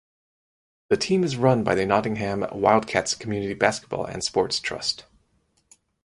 The team is run by the Nottingham Wildcats Community Basketball and Sports Trust.